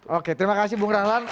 oke terima kasih bung rahlan